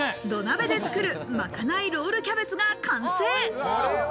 土鍋で作る、巻かないロールキャベツが完成。